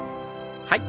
はい。